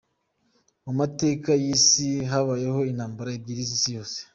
Mu mateka y’isi, habayeho intambara ebyiri z’isi yose.